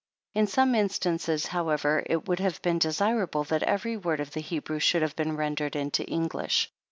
In some instances however, it would have been desirable that every word of the Hebrew should have been rendered into English.